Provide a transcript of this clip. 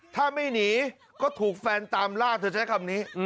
ถ้าไม่หนีก็ถูกแฟนตามล่าเธอใช้คำนี้